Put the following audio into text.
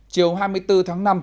chiều hai mươi bốn tháng năm